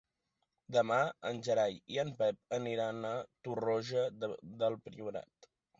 Demà en Gerai i en Pep aniran a Torroja del Priorat.